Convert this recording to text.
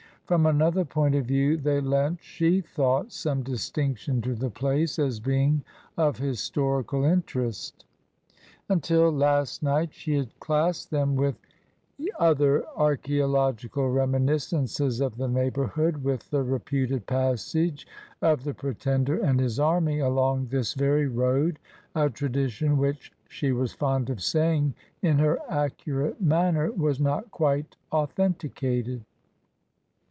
From another point of view they lent, she thought, some distinction to the place as being of historical interest Until last night she had classed them with other archae ological reminiscences of the neighbourhood, with the reputed passage of the Pretender and his army along this very road — a tradition which, she was fond of saying in her accurate manner, was not quite authenticated.